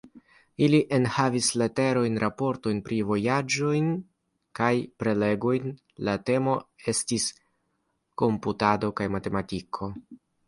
Ili enhavis leterojn, raportojn pri vojaĝojn, kaj prelegojn; la temo estis komputado kaj matematiko.